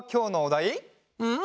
うん！